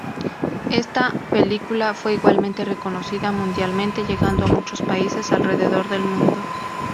Está película fue igualmente reconocida mundialmente, llegando a muchos países alrededor del mundo.